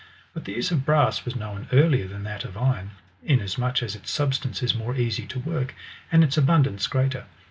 But the use of brass was known earlier than Ikat of iron ;^ inasmuch as its substance is more easy to work, and its abundance greater.